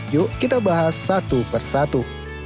yuk kita bahas satu persatu